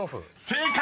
［正解！